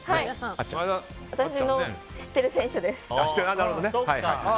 私の知っている選手です。